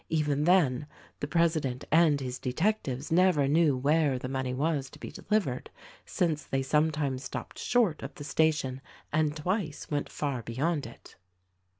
Even then, the president and his detectives never knew where the money was to be delivered, since they sometimes stopped short of the station and twice went far beyond it.